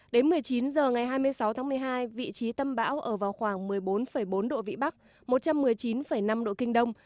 đến một mươi chín h ngày hai mươi sáu tháng một mươi hai vị trí tâm bão ở vào khoảng một mươi bốn bốn độ vĩ bắc một trăm một mươi chín năm độ kinh đông